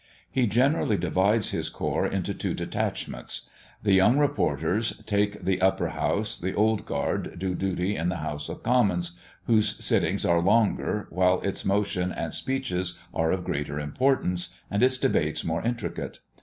He generally divides his corps into two detachments. The young reporters take the upper house, the old guard do duty in the House of Commons, whose sittings are longer, while its motions and speeches are of greater importance, and its debates more intricate.